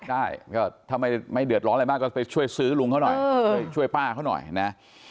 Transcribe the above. ได้ก็ถ้าไม่เดือดร้อนอะไรมากก็ไปช่วยซื้อลุงเขาหน่อยช่วยป้าเขาหน่อยนะ